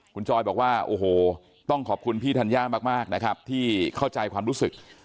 คุณจอยบอกว่าโอ้โหต้องขอบคุณพี่ธัญญามากนะครับที่เข้าใจความรู้สึก